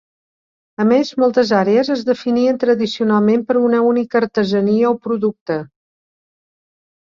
A més, moltes àrees es definien tradicionalment per una única artesania o producte.